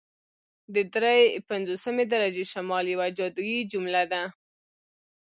د دري پنځوسمې درجې شمال یوه جادويي جمله ده